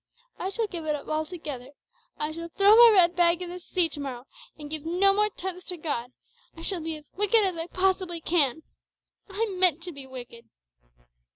I shall give it up altogether. I shall throw my red bag in the sea to morrow, and shall give no more tenths to God. I shall be as wicked as I possibly can. I'm meant to be wicked!"